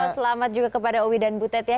selamat juga kepada owi dan butet ya